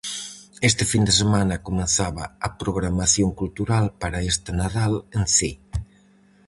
Este fin de semana comezaba a programación cultural para este Nadal en Cee.